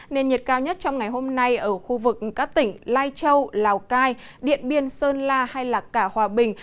nền nhiệt cao nhất trong ngày hôm nay ở khu vực các tỉnh lai châu lào cai điện biên sơn la hay cả hòa bình